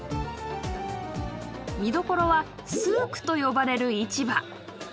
見どころはスークと呼ばれる市場。